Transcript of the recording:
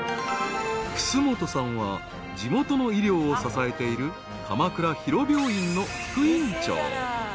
［楠本さんは地元の医療を支えている鎌倉ヒロ病院の副院長］